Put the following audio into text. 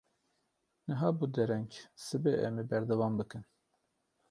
Niha bû dereng, sibê em ê berdewam bikin.